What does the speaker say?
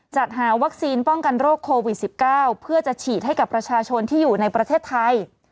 จัดหาวัคซีนป้องกันโรคโควิด๑๙เพื่อจะฉีดให้กับประชาชนที่อยู่ในประเทศไทย